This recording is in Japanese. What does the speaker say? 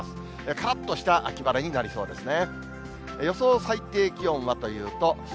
からっとした秋晴れになりそうですね。